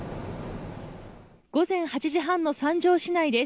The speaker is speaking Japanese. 午前８時半の三条市内です。